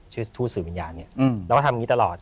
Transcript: ชื่อทูตสื่อวิญญาณเนี่ยแล้วก็ทำงี้ตลอด